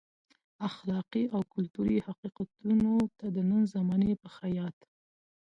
اخلاقي او کلتوري حقیقتونو ته د نن زمانې په خیاط.